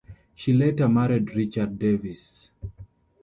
She later married Richard Davis.